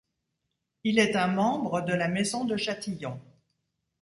Il est un membre de la Maison de Châtillon.